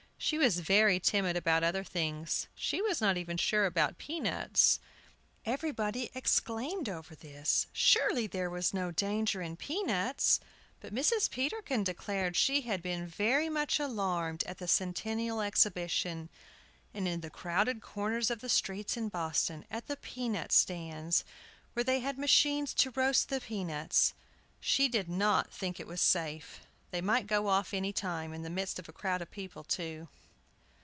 She was very timid about other things. She was not sure even about pea nuts. Everybody exclaimed over this: "Surely there was no danger in pea nuts!" But Mrs. Peterkin declared she had been very much alarmed at the Centennial Exhibition, and in the crowded corners of the streets in Boston, at the pea nut stands, where they had machines to roast the pea nuts. She did not think it was safe. They might go off any time, in the midst of a crowd of people, too!